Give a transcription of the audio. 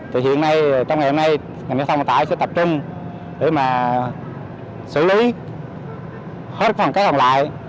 thì hiện nay trong ngày hôm nay ngành giao thông hồ tải sẽ tập trung để mà xử lý hết phần cát còn lại